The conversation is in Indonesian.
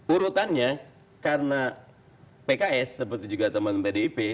urutannya karena pks seperti juga teman pdip